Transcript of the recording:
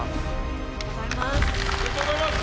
ありがとうございます。